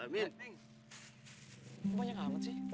banyak amat sih